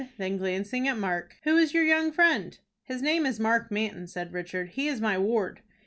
Then, glancing at Mark, "Who is your young friend?" "His name is Mark Manton," said Richard. "He is my ward."